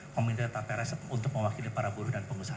komite tapera untuk mewakili para buruh dan pengusaha